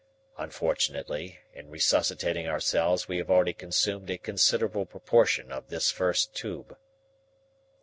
Unfortunately, in resuscitating ourselves we have already consumed a considerable proportion of this first tube."